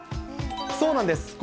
そうなんです。